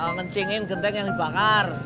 ngencingin genteng yang dibangar